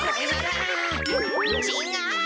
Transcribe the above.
ちがう！